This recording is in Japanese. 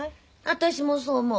私もそう思う。